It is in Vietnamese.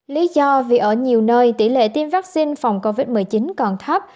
lý do vì ở nhiều nơi tỷ lệ tiêm vaccine phòng covid một mươi chín còn thấp